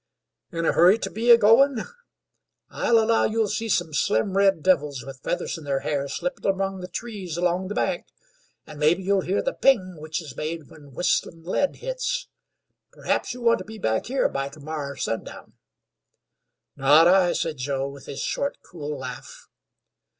"In a hurry to be a goin'? I'll allow you'll see some slim red devils, with feathers in their hair, slipping among the trees along the bank, and mebbe you'll hear the ping which's made when whistlin' lead hits. Perhaps you'll want to be back here by termorrer sundown." "Not I," said Joe, with his short, cool laugh.